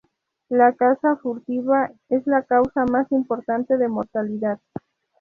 La caza furtiva es la causa más importante de mortalidad.